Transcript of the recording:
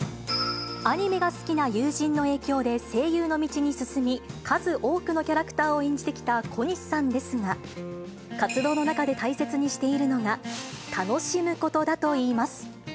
アニメが好きな友人の影響で声優の道に進み、数多くのキャラクターを演じてきた小西さんですが、活動の中で大切にしているのが、楽しむことだといいます。